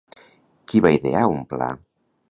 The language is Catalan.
Qui va idear un pla?